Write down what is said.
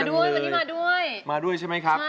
ด้วยวันนี้มาด้วยมาด้วยใช่ไหมครับ